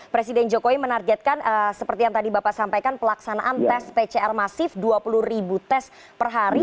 presiden jokowi menargetkan seperti yang tadi bapak sampaikan pelaksanaan tes pcr masif dua puluh ribu tes per hari